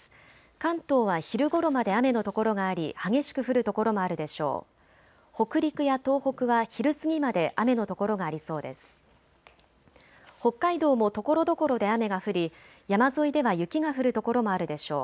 関東は昼ごろまで雨の所があり激しく降る所もあるでしょう。